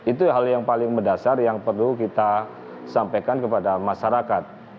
itu hal yang paling mendasar yang perlu kita sampaikan kepada masyarakat